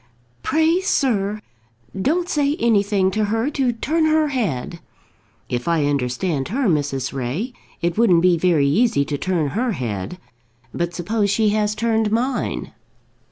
"Pray, sir, don't say anything to her to turn her head." "If I understand her, Mrs. Ray, it wouldn't be very easy to turn her head. But suppose she has turned mine?"